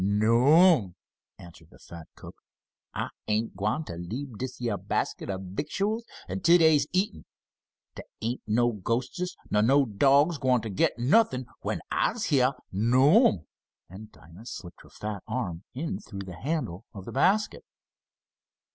"No'm," answered the fat cook. "I ain't gwine t' leab dish yeah basket ob victuals until dey's eaten. Dey ain't no ghostests, nor no dogs, gwine t' git nothin' when I'se heah! No'm!" and Dinah slipped her fat arm in through the handle of the basket.